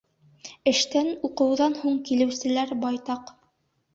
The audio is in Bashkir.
Эштән, уҡыуҙан һуң килеүселәр байтаҡ.